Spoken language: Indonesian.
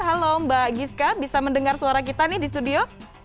halo mbak giska bisa mendengar suara kita nih di studio